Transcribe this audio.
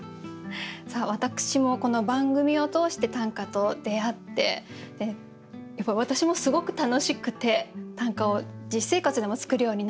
さあ私もこの番組を通して短歌と出会ってやっぱり私もすごく楽しくて短歌を実生活でも作るようになって。